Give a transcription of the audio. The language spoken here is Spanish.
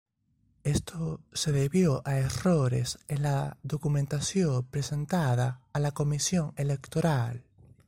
Esto se debió a errores en la documentación presentada a la Comisión Electoral.